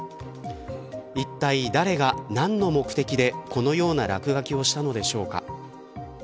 いったい誰が何の目的でこのような落書きをしたのでしょうか。